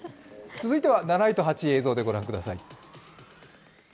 続いては７位と８位、映像でご覧ください。